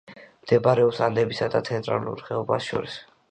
მდებარეობს ანდებსა და ცენტრალურ ხეობას შორის.